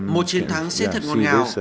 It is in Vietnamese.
một chiến thắng sẽ thật ngọt ngào